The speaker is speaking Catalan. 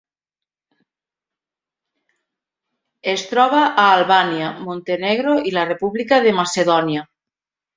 Es troba a Albània, Montenegro i la República de Macedònia.